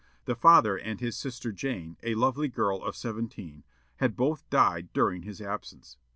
The father and his sister Jane, a lovely girl of seventeen, had both died during his absence.